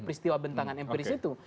peristiwa bentangan empiris itu